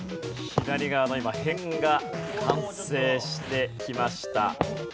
左側の偏が完成してきました。